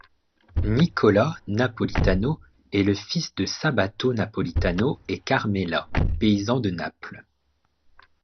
Nicola Napolitano est le fils de Sabato Napolitano et Carmela, paysans de Naples.